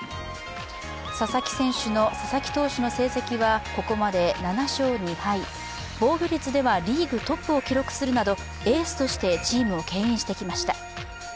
佐々木投手の成績はここまで７勝２敗、防御率ではリーグトップを記録するなど、エースとしてチームをけん引してきました。